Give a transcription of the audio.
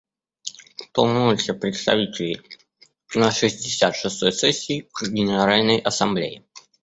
Полномочия представителей на шестьдесят шестой сессии Генеральной Ассамблеи.